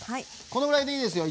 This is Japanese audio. このぐらいでいいですよ。